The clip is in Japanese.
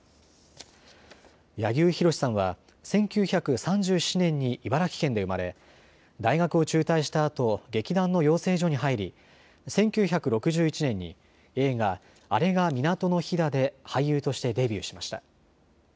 柳生博さんは１９３７年に茨城県で生まれ大学を中退したあと劇団の養成所に入り１９６１年に映画、あれが港の灯だで俳優としてデビューしました。